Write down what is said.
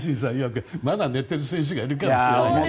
まだ寝てる選手がいるかもしれないですね。